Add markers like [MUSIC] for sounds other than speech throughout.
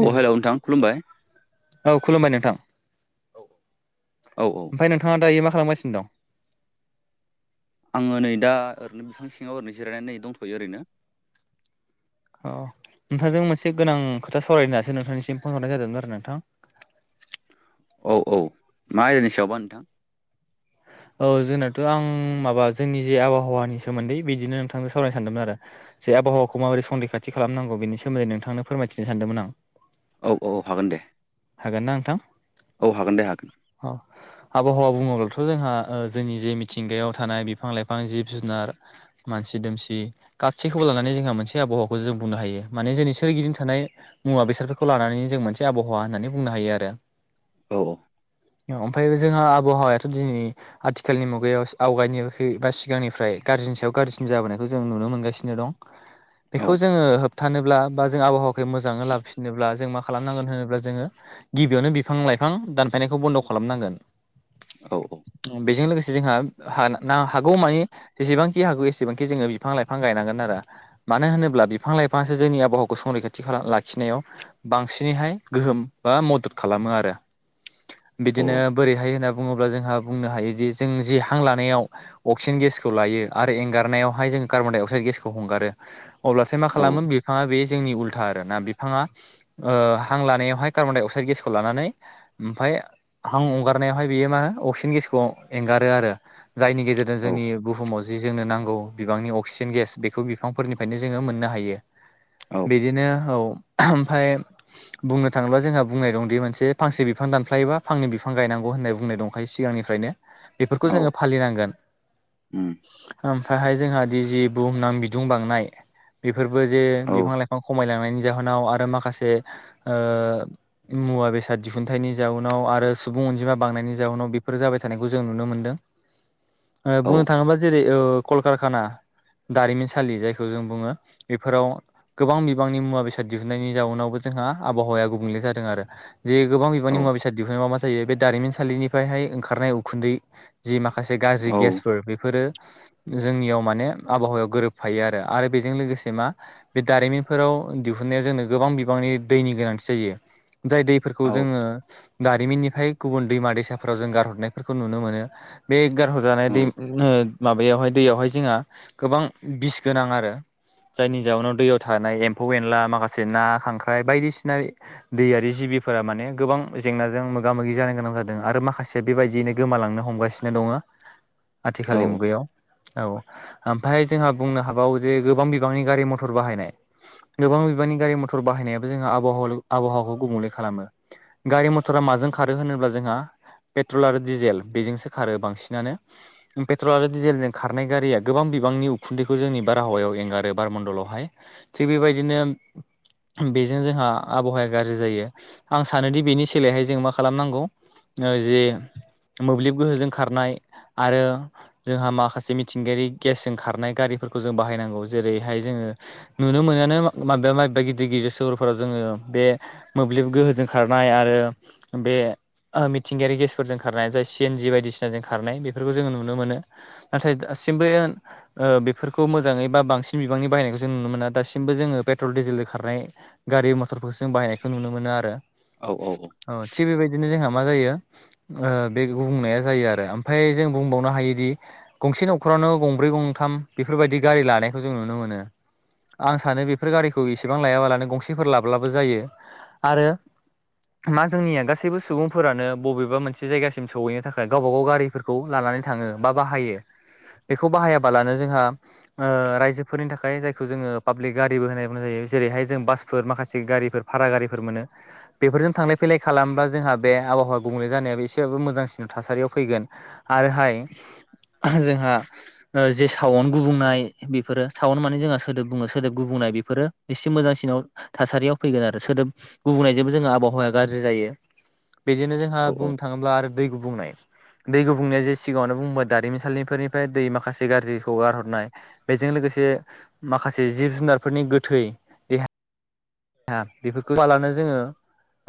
औ हेलोव नोंथां खुलुमबाय। औ खुलुमबाय नोंथां औ ओमफाय नोंथाङा दायो मा खालामगासिनो दं आङो नै दा ओरैनो बिफां सिङाव ओरैनो जिरायनानै नै दंथ'यो ओरैनो। औ नोंथांजों मोनसे गोनां खोथा सावरायनो होननासो नोंथांनिसिम फन हरनायाज जादोंमोन आरो नोंथां। [INAUDIBLE] औ औ मा आयदानि सायावबा नोंथां औ जोंनाथ' आं माबा जोंनि जे आबहावानि सोमोन्दै बिदिनो नोंथांजों सावरायनो सानदोंमोन आरो। जे आबहावाखौ माबोरै संरैखाथि खालामनांगौ बेनि सोमोन्दै नोंथांनो फोरमायथिनो सानदोंमोन आं। औ औ हागोन दे। हागोन ना नोंथां अ आबहावा बुङोब्लाथ' जोंहा ओ जोंनि जे मिथिंगायाव थानाय बिफां- लाइफां जिब जुनार मानसि दोमसि गासैखौबो लानानै जोंहा मोनसे आबहावाखौ जों बुंनो हायो माने जोंनि सोरगिदिं थानाय मुवा बेसादफोरखौ लानानै जों मोनसेआब हावा होननानै बुंनो हायो आरो। औ-औ ओमफाय जोंहा आबहावायाथ' दिनै आथिखालनि मुगायाव आवगायनिखुइ बा सिगांनिफ्राय गाज्रिनि सायाव गाज्रिसिन जाबोनायखौ जों नुनो मोनगासिनो दं। बेखौ जोङो होबथानोब्ला बा जों आबहावाखौै मोजाङै लाफिनोब्ला जों मा खालामनांगोन होनोब्ला जोङो गिबियावनो बिफां लाइफां दानफायनायखौ बन्द' खालामनांगोन। औ औ बेजों लोगोसे जोंहा ना हागौ मानि जेसेबांखि हागौ एसेबांखि जोङो बिफां लाइफां गायनांगोन आरो मानो होनोब्ला बिफां लाइफाङासो जोंनि आबहावखौ संरैखाथि खालाम लाखिनायाव बांसिनैहाय गोहोम बा मदद खालामो आरो बिदिनो बोरैहाय होनना बुङोब्ला जोंहा बुंनो हायोदि जों जे हां लानायाव अक्सिजेन गेसखौ लायो आरो एंगारनायावहाय जों कार्बनडाइ अक्साइद गेसखौ हंगारो अब्लाथाय मा खालामो बिफाङा बे जोंनि उल्था आरोना बिफाङा ओ हां लानायावहाय कार्बनडाइ अक्साइद गेसखौ लानानै ओमफाय हां हंगारनायावहाय बेयो मा अक्सिजेन गेसखौ एंगारो आरो जायनि गेजेरजों जोंनि बुहुमाव जि जों नो नांगौ बिबांनि असिजेन गेस बेखौ बिफां फोरनिफायनो जोङो मोननो हायो बिदिनो औ ओमफाय बुंनो थाङोब्ला जोंहा बुंनाय दंदि मोनसे फांसे बिफां दानफ्लायोबा फांनै बिफां गायनांगौ होननाय बुंनाय दंखायो सिगा गां निफ्रायनो बेफोरखौ जोङो फालिनांगोन ओम फाहाय जोंहा दिजि बुहुमनां बिदुं बांनाय बेफोरबो जे बिफां लाइफां खमायलांनायनि जाहोनाव आरो माखासे ओ मुवा बेसाद दिहुनथाइनि जाउनाव आरो सुबुं अनजिमा बांनायनि जाउनाव फोर जाबाय थानायखौ जों नुनो मोनदों ओ बुंनो थाङोबा जेरै अ कलकारखाना दारिमिनसालि जायखौ जों बुङो बेफोराव गोबां बिबांनि मुवा बेसाद दिहुननायनि जाउनावबो जोंहा आबहावाया गुबुंले जादों आरो जे गोबां बिबांन मुवा बेसाद दिहुननायाव मा जायो बे दारिमिन सालिनिफायहाय ओंखारनाय उखुन्दै जि माखासे गाज्रि गेसफोर बेफोरो जोंनियाव माने आबहावायाव गोरोबफायो आरो आरो बेजों लोगोसे मा बे दारिमिनफोराव दि दुहुननायाव जोंनो गो बांनि दैनि गोनांथि जायो जाय दैफोरखौ जोङो दारिमिननि फाय गुबुन दैमा दैसाफोराव जों गारहरनायफोरखौ नुनो मोनो बे गारहावजानाय दै नो माबायावहाय दैयावहाय जोंहा गोबां बिस गोनां आरो जायनि जउोनाव दैयाव थानाय एम्फौ एनला माखासे ना खांख फ्राय बायदिसिना दैयारि जिबिफोरा माने गोबां जेंनाजों मोगा मोगि जानो गोनां जादों आरो माखा से बेबायदियैनो गोमालांनो हमगासिनो दङ आथिखालनि मुगायाव औ ओमफाय जोंहा बुंनो हाबावो जे गोबां बिबांनि गारि मथर बाहायनाय गोबां बिबांनि गारि मथर बाहायनायाबो जोंहा आबहावाल' आबहावखौ गुबुंले खालामो गारि मथरा माजों खारो होनोब्ला जोंहा पेट्रल आरो डिजेल बेजोंसो खारो बांसिनानो। पेट्रल आरो डिजेलजों खारनाय गारिया गोबां बि बिबांनि उखुन्दैखौ जोंनि बारहावायाव एंगारो बारमण्दलावहाय। थिग बेबायदिनो बेजों जोंहा आबहावाया गाज्रि जायो आं सानोदि बेनि सोलायहाय जों मा खालामनांगौ ओ जे मोब्लिब गोहोजों खारनाय आरो जोंहा माखासे मिथिंगायारि गेसजों खारनाय गारिफोरखौ जों बाहायनांगौ। जेरैहाय जोङो नुनो मोनानो माबेबा माबेबा गिदिर गिदिर गोरफोराव जोङो बे मोब्लिब गोहोजों खारनाय आरो बे ओ मिथिंगायारि गेसफोरजों खारनाय जाय सि एन जि बायदिसिनाजों खारनाय बेफोरखौ जोङो नुनो मोनो। नाथाय दा सिमबोयोन ओ बेफोरखौ मोजाङै बा बांसिन बिबांनि बाहायनायखौ जों नुनो मोना। दासिमबो जोङो पेट्रल डिजेलदो खारनाय गारि मथरखौसो जों बाहायनायखौ नुनो मोनो आरो औ थिग बेबायदिनो जोंहा मा जायो ओ बे गुबुंनाया जायो आरो। ओमफाय जों बुंबावनो हायोदि गंसे न'खराव नो गंब्रै गंथाम बेफोरबादि गारि लानायखौ जों नुनो मोनो। आं सानो बेफोर गारिखौ एसेबां लायाबालानो गंसेफोर लाब्लाबो जायो आरो मा जोंनिया गासैबो सुबुंफोरानो बबेबा मोनसे जायगासिम सहैनो थाखाय गावबा गाव गारिफोरखौ लाना नै थाङो बा बाहायो। बेखौ बाहायाबालानो जों हा ओ रायजोफोरनि थाखाय जायखौ जोङो पाब्लिक गारिबो होना बुंनाय जायो। जेरैहाय जों बास फोर माखासे गारिफोर, फारा गारिफोर मोनो। बेफोरजों थांलाय फैलाय खालामबा जोंहा बे आबहावाया गुबुंले जानाय या एसेबाबो मोजांसिन थासारियाव फैगोन। आरोहाय जोंहा ओ जे सावन गुबुंनाय बेफोरो सावन माने जोंहा सोदोब बुङो सोदोब गुबुंनाय बेफोरो एसे मोजांसिनाव थासारियाव फैगोन आरो सोदोब गुबुंनायजोबो जोङो आबहावाया गारजि जायो। बेजोंनो जोहा बुंनो थाङोब्ला आरो दै गुबुंनाय। दै गुबुंनाया जे सिगाङावनो बुंबाय दारिमिनसालिफोरनिफ्राय दै माखासे गाज्रि हगार हरनाय, बेजों लोगोसे माखासे जिब जुनारफोरनि गोथै देहा बेफोरखौ [INAUDIBLE] बालानो जोङो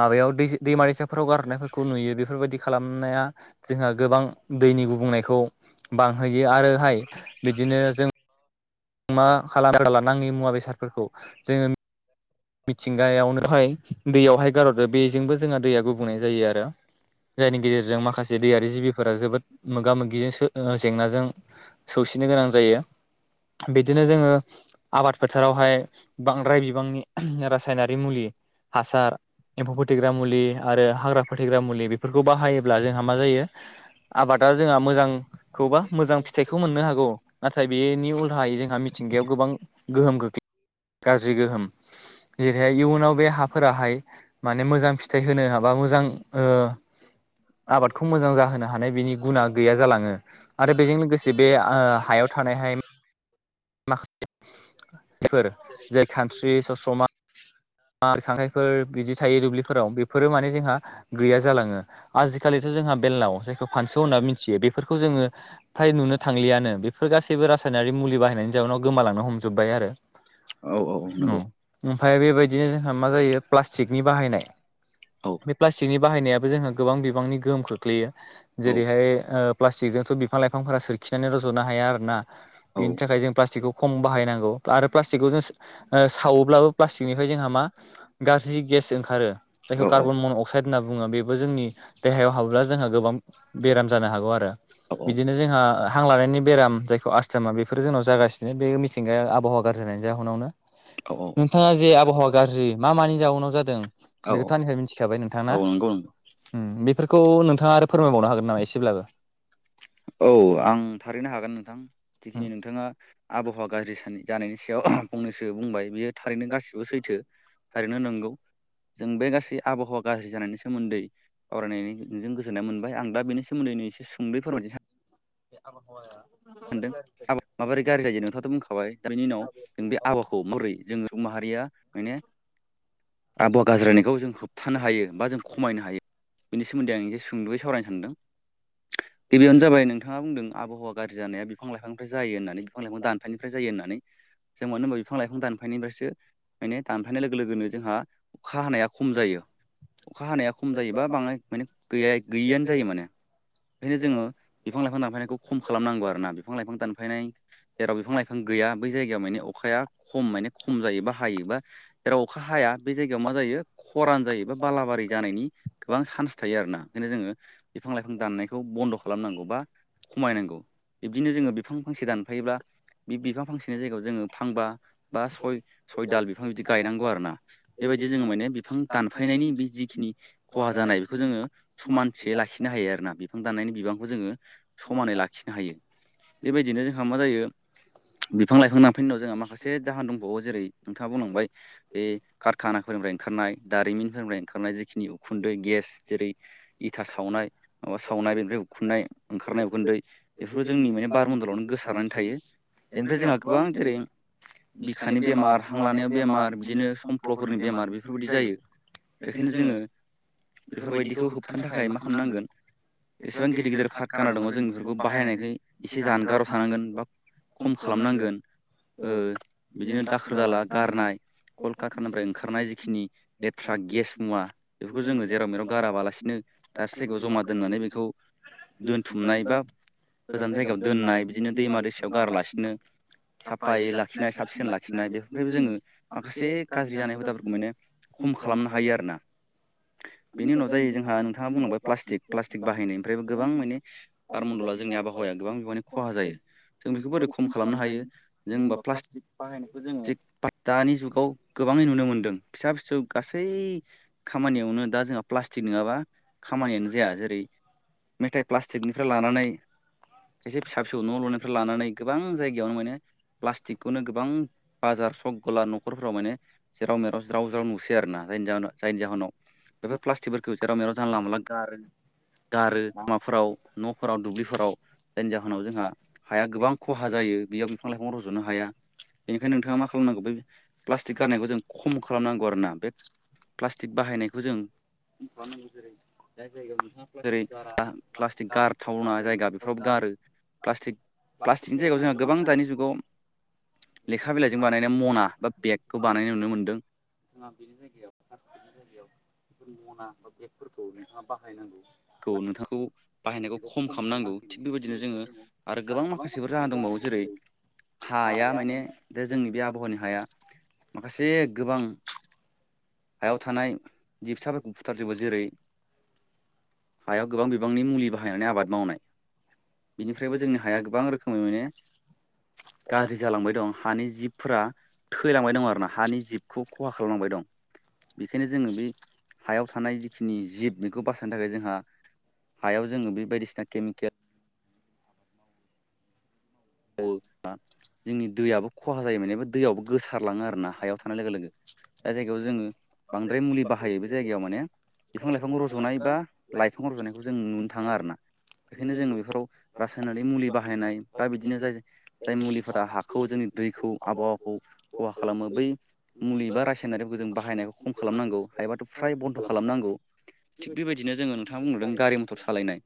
माबायाव दै दैमा दैसाफ्राव गारनायफोरखौ नुयो। बेफोरबायदि खालामनाया जोंहा गोबां दैनि गुबुंनायखौ बांहोयो। आरोहाय बिदिनो जों मा खालाम [INAUDIBLE] नाङि मुवा बेसादफोरखौ जोङो मिथिंगायावनोहाय दैयावहाय गारहरो। बेजोंबो जों गुबुंनाय जायो आरो जायनि गेजेरजों माखासे दैयारि जिबिफोरा जोबोद मोगा मोगिजों जेंनाजों सौसि नो गोनां जायो। बिदिनो जोङो आबाद फोथारावहाय बांद्राय बिबांनि रासायनारि मुलि हासार एम्फौ फोथैग्रा मुलि आरो हाग्रा फोथैग्रा मुलि बेफोरखौ बाहायोब्ला जोंहा मा जायो आबादा जोंहा मोजांखौबा मोजां फिथाइखौ मोननो हागौ। नाथाय बेनि उल्थायै जोंहा मिथिंगायाव गोबां गोहोम गोख्लै [INAUDIBLE] गाज्रि गोहोम। जेरैहाय इयुनाव बे हाफोराहाय माने मोजां फिथाइ होनो हाबा मोजां ओ आबादखौ मोजां जाहोनो हानाय बिनि गुना गैया जालाङो आरो बेजों लोगोसे बे ओ हायाव याव थानायहाय माखासेफोर जेरै खानस्रि सस्रमा मा खांख्राइफोर बिदि थायो दुल्बिफोराव बेफोरो माने जोंहा गैया जालाङो। आजिखालिथ' जोंहा बेल्लाव जायखौ फानसौ होनना मिथियो बेफोरखौ जोङो फ्राय नुनो थांलियानो। बेफोर गासैबो रासायनारि मुलि बाहायनायनि जाउनाव गोमालांनो हमजोब्बाय आरो। औ औ नोंगौ। ओमफ्राय बेबायदिनो जोंहा मा जायो प्लासटिकनि बाहायनाय। बे प्लास्टिकनि बाहायनायाबो जोंहा गोबां बिबांनि गोहोम खोख्लैयो। जेरैहाय ओ प्लास्टिकजोंथ' बिफां लाइफांफोरा सोरखिनानै रज'नो हाया आरोना बिनि थाखाय जों प्लास्टिकखौ खम बाहायनांगौ आरो प्लास्टिकखौ जों सावोब्लाबोप्लास्टिकनि जोंहा मा गाज्रि गेस ओंखारो जायखौ कार्बन मन'अखसायद बुङो बेबो जोंनि देहायाव हाबोब्ला जोंहा गोबां बेराम जानो हागौ आरो बिदिनो जोंहा हां लानायनि बेराम जायखौ आस्थमा बेफोर जोंनाव जागासिनो बे मिथिंगाया आबहाव गाज्रि जानायनि जाहोनावनो औ औ गाज्रि मा मानि जाउनाव जादों बेखौथ आंनिफ्राय मिथिखाबाय नोंथांना बेफोरखौ नोंथाङा आरो फोरमायबावनो हागोन नामा एसेब्लाबो औ आं थारैनो हागोन नोंथां जिखिनि नोंथाङा आबहावा गाज्रि सानै जानायनि सायाव फंनैसो बुंबाय बियो थारैनो गाससिबो सैथो थारैनो नंगौ जों बे गासै आबहावा गाज्रि जानायनि सोमोन्दै सावरायनायनिजों गोजोननाय मोनबाय आं दा बेनि सोमोन्दै एसे सुंद' फोरमायनोसै बे आबहाया सानदों आबाद माबोरै गाज्रि जायो नोंथाङाथ' बुंखाबाय दा बिनि उनाव जों बे आबाखौ माबोरै जों सुबुं माहारिया माने आबहावा गाज्रायनायखौ जों होबथानो हायो बा जों खमायनो हायो बेनि सोमोन्दै आं एसे सुंदुयै सावरायनो सानदों गिबियावनो जाबाय नोंथाङा बुंदों आबहावाखौ जानाया बिफां लाइफांनिफ्राय जायो होननानै बिफां लाइफां दानफायनिफ्राय जायो होननानै जों मानो होना बिफां लाइफां दानफायनिफ्रायसो माने दानफनाय लोगो लोगोनो जोंहा अखा हानाया खम जायो अखा हानाया खम जायोबा बाङाय माने गै गैयिआनो जायो माने बेनिखायनो जोंडो़ बिफां लाइफां दानफायनायखौ खम खालाम खालामनांगौ आरोना बिफां लाइफां दानफायनाय जेराव बिफां लाइफां गैया बै जायगायाव माने अखाया खम माने खम जायो बा हायि जेराव अखा हाया बे जायगायाव माजायो बा बालाबारि जानायनि गोबां सानस थायो आरोना बैनिखायनो जोंङो लाइफां दाननायखौ बन्द' खालामनांगौ बा खमायनांगौ बिबदिनो जोङो बिफां फांसे दानफायोब्ला बे बिफां फांसेनि जायगायाव जोङो फांबा बा सय सयदाल बिफां बिदि गायनांगौ आरो ना बेबायदि जोङो माने बिफां दानफायनायनि बे जिखिनि खहा जानाय बेखौ जोङो समानथि लाखिनो हायो हायो आरो ना बिफां दाननायनि बिबांखौ जोङो समानै लाखायो खिनो हायो बेबायदिनो जोंहा मा जायो बिफां लाइफां लांफै उनाव जोंहा माखासे जाहोन दंबावो जेरै नोंथाङा बुंलांबाय बे कारखानाफोरनिफ्राय ओंखारनाय दारिमिनफोरनिफ्राय ओंखारनाय जिखिनि उखुन्दै गेस जेरै इथा सावनाय माबा सावनाय बेनिफ्राय उखुनाय ओंखारनाय उखुन्दै बेफोरखौ जोंनि माने बारमन्दलावनो गोसारनानै थायो बेनिफ्राय जोंहा गोबां जेरै बिखानि बेमार हां लानायाव बेमार बिदिनो सम फ्ल'फोरनि बेमार बेफोरबायदि जायो बेखायनो जोङो बेफोरबायदिखौ होबथानो थाखाय मा खालामनांगोन एसेबां गिदिर गिदिर पार्क गाना दङ जों बेफोरखौ बाहायनायख एसे जानगाराव थानांगोन बा खम खालामनांगोन ओबिदिनो दाखोर दाला गारनायल कालखारखानानिफिराय ओंखारनाय जिखिनि लेथ्रा गेस मुवा बेफोरखौ जोङो जेराव मेराव गाराबालासिनो साबसे जायगायाव जमा दोननानै बेखौ दोनथुमनाय बा गोजान जायगायाव दोननाय बिदिनो दैमा दैसायाव गारलासिनो साफायै लाखिनाय सााब सिखोन लाखिनाय बेफोरफ्रायबो जोङो माखासे गाज्रि जानाय हुदाफोरखौ माने खम खालामनो हायो आरो ना बेनि उनाव जायो जोंहा नोंथाङा बुंनांबाय प्लास्टिक प्लास्टिक बाहायनायनिफ्रायबो गोबां मानानि बारमन्दला जोंनि आबहावाया गोबां बिबांनि खहा जायो जों बेखौबो बोरै खम खालामनो हायो जोंबा प्लाटिक दानि जुगाव गोबाङै नुनो मोनदों फिसा फिसौ गासै खामानियावनो दा जोंहा प्लास्टिक नङाबा खामानियानो जाया जेरै मेथाइ प्लास्टिकनिफ्राय लानानै [INAUDIBLE] खायसे फिसा फिसौ न' लुनिफ्राय लानानै गोबां जायगायावनो माने प्लास्टिकखौनो गोबां बाजार सक गला न'खरफोराव माने जेराव मेराव ज्राव ज्राव नुसै आरोना जायनि जाव जायनि जाहोनाव बेफोर प्लास्टिकफोरखौ जेराव मेराव जानला मोनला गारो माफोराव न'फोराव दुब्लिफोराव फोराव जायनि जाहोनाव जोंहा हाया गोबां खहा जायो बेयाव बिफां लाइफां रुज'नो हाया बेनिखायनो नोंथाङा मा खालामनांगौ बे प्लास्टिक गारनायखौ जों खम खालामनांगौ आरोना बे प्लास्टिक बाहायनायखौ जों जेरै जाय जायगायाव नोंथाङा प्लास्टिक गारा प्लास्टिक गारखौ जायगायाव जा बेफ्राव गारो प्लाटिक प्लास्टिकनि जायगायाव जोंहा गोबां दानि जुगाव लेखा बिलाइजों बानायनाया मना बा बेग बानाय नुनो मोनदों जोंहा बेनि जायगायाव गनि जायगायाव मना बा बेगफोरखौ नोंथाङा बाहायनांगौ खौ नोंथांखौ बाहायनायखौ खम खालामनांगौ थिग बेबायदिनो जोङो आरो गोबां माखासेफोर जाहा दंबावो जेरै हाया माने दा जोंनि बे आबहावानि हाया माखासे गोबां हायाव थानाय जिबसाफोरखौ बुथारजोबो जेरै हायाव गोबां बिबांनि मुलि बाहायनानै आबाद मावनाय बेनिफ्रायबो जोंनि हाया गोबां रोखोमै माने गाज्रि जालांबाय दं हानि जिबफोरा थैलां बाय दं आरो ना हानि जिबखौ खहा खालामलांबाय दं बेखायनो जोङो बे हायाव थानाय जिखिनि जिब बेखौ बासायनो थाखाय जोंहा हायाव जोङो बे बायदिसिना केमिकेल जोंनि दैयाबो खहा जायो मेबा दैयावबो गोसारलाङो आरोना हायाव थ थानाय लोगो लोगो जाय जायगायाव जोङो बांद्राय मुलि बाहायो बे जायगायाव माने बिफां लाइफांखौ रज'नाय बा लाइफां रज'नायखौ जों नुनो थाङा आरोना बेखायनो जोङो बेफोराव रासायनारि मुलि बाहायनाय बा बिदि बिदिनो जाय जाय मुलिफोरा हाखौ जोंनि दैखौ आबहावाखौ खहा खालामो बै मुलि एा रासायनारिफोरखौ जों बाहायनायखौ खम खालामनांगौ हायोबाथ' फ्राय बन्द' खालामनांगौ। थिग बेबायदिनो जोङो नोंथाङा बुंबावदों गारि मथर सालायनाय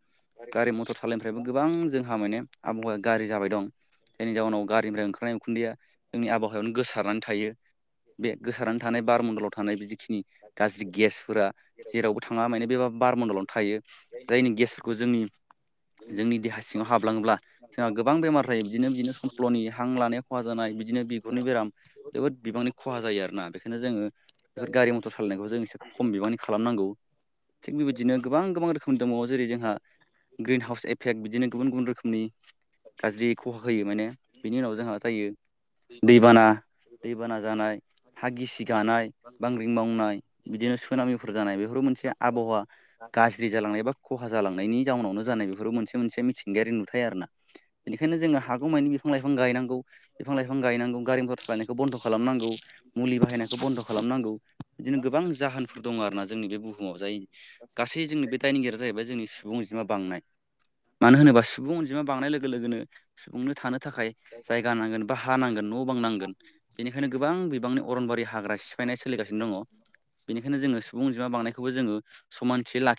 गारि मथर सालायनोफ्रायबो गोबां जोंहा माने गारि जाबाय दं जायनि जाउनाव गारिनिफ्राय ओंखारनाय उखुन्दैया जोंनि आबहावायावनो गोसारनानै थायो। बे गोसारनानै थानाय बारमन्दलाव थानाय बेखिनि गाज्रि गेसफोरा जेरावबो थाङा माने बे बारमन्दलावनो थायो जायनि गेसफोरखौ जोंनि जोंनि देहा सिङाव हाबलाङोब्ला जोंहा गोबां बेमार ओमफ्राय बिदिनो बिदिनो समफ्ल'नि हां लानाया खहा जानाय बिदिनो बिगुरनि बेराम जोबोद बिबांनि खहा जायो आरोना। बेखायनो जोङो बेफोर गारि मटर सालायखौ जों एसे खम बिबांनि खालामनांगौ थिग बेबायदिनो गोबां गोबां रोखोमनि दङ। जेरै जोंहा ग्रिन हाउस एफेक्ट बिदिनो गुबुन गुबुन रोखोमनि गाज्रि खहा होयो माने बिनि उनाव जोंहा जायो दैबाना दैबाना जानाय हा गिसि गानाय बांग्रिं मावनाय बिदिनो सोनामिफोर जानाय बेफोर मोनसे आबहावा गाज्रि जालांनाय एबा खहा जालांनायनि जाउनावनो जानाय बेफोरबो मोनसे मोनसे मिथिंगायारि नुथाय आरो ना। बेखायनो जोङो हागौमानि बिफां लाइफां गायनांगौ बिफां लाइफां गायनांगौ गारि मथर लायनायखौ बन्द' खालामनांगौ मुलि बाहायनायखौ बन्द' खालामनांगौ। बिदिनो गोबां जाहोनफोर दङ आरो ना जोंनि बे बुहुमाव जाय गासै जोंनि बे दायनिगिरिया जाहैबाय जोंनि सुबुं अजिमा बांनाय। [INAUDIBLE] मानो होनोबा सुबुं अनजिमा बांनाय लोगो लोगोनो सुबुंनो थानो थाखाय जायगा नांगोन बा हा नांगोन न' बां नांगोन बेनिखायनो गोबां बिबांनि अरनबारि हाग्रा सिफायनाय सोलिगासिनो दङ। बेनिखायनो जोङो सुबुं अनजिमा बांनायखौबो जोङो समानथि लाखि